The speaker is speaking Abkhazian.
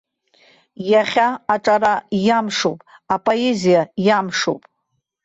Иахьа аҿара иамшуп, апоезиа иамшуп.